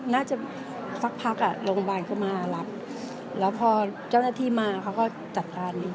น่าจะซักพักโรงบาลก็มาหลับแล้วพอเจ้าหน้าที่มาเขาก็จัดการ